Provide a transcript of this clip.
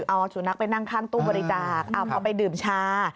เอาสุนัขไปนั่งข้างตู้บริจาคพอไปดื่มชา